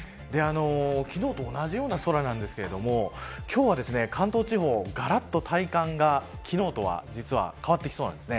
昨日と同じような空なんですけれども今日は関東地方がらっと体感が昨日とは実は変わってきそうなんです。